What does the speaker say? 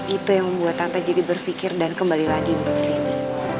itu yang membuat tante jadi berpikir dan kembali lagi untuk sini